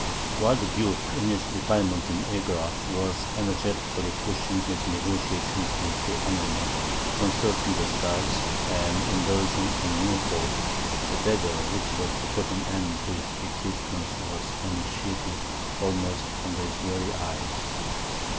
While the duke, in his retirement in Egra, was energetically pushing his negociations with the enemy, consulting the stars, and indulging in new hopes, the dagger which was to put an end to his existence was unsheathed almost under his very eyes.